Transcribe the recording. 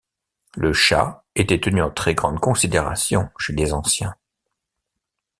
Le Chat était tenu en très grande considération chez les anciens.